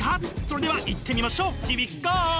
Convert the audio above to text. それではいってみましょう！